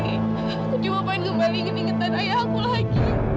aku cuma pengen kembali inget ingetan ayah aku lagi